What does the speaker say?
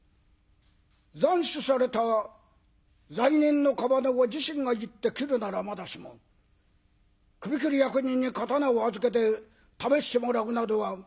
「斬首された罪人の屍を自身が行って斬るならまだしも首斬り役人に刀を預けて試してもらうなどは刀の汚れだ。